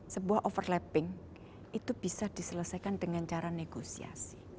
sebuah overlapping itu bisa diselesaikan dengan cara negosiasi